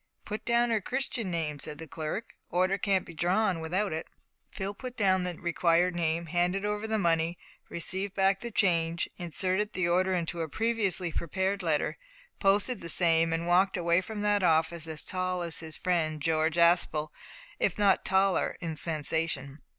"Put down her Christian name;" said the clerk; "order can't be drawn without it." Phil put down the required name, handed over the money, received back the change, inserted the order into a previously prepared letter, posted the same, and walked away from that office as tall as his friend George Aspel if not taller in sensation.